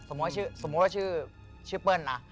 สมมุติว่าชื่อเปิ้ลนะ